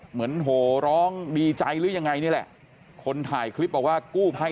โหร้องดีใจหรือยังไงนี่แหละคนถ่ายคลิปบอกว่ากู้ภัย